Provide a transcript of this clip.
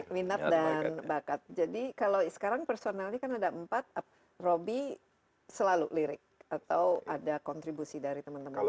minat dan bakat jadi kalo sekarang personalnya kan ada empat robby selalu lirik atau ada kontribusi dari temen temen lo juga